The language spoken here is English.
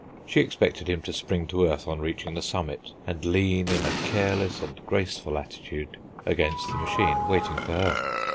She expected him to spring to earth on reaching the summit, and lean in a careless and graceful attitude against the machine, waiting for her.